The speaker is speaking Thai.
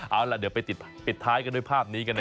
เอาล่ะเดี๋ยวไปปิดท้ายกันด้วยภาพนี้กันหน่อย